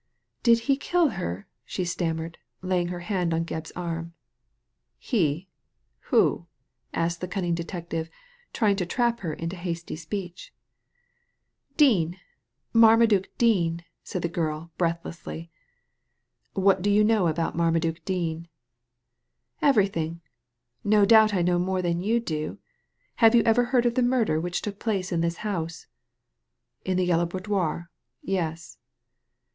'' Did he kill her ?" she stammered, laying her hand on Gebb's arm. " He ! Who ?" asked the cunning detective, trying to trap her into a hasty speech. ''Dean I Marmaduke Dean I" saud the girl, breathlessly. What do you know about Marmaduke Dean ?"" Everything I No doubt I know more than you do. Have you never heard of the murder which took place in this house ?"" In the Yellow Boudoir. Yes."